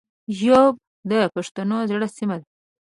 ږوب د پښتنو زړه سیمه ده